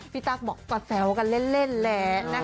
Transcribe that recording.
ตั๊กบอกก็แซวกันเล่นแล้วนะคะ